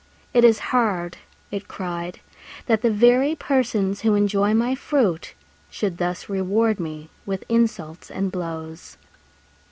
"It is hard," it cried, "that the very persons who enjoy my fruit should thus reward me with insults and blows."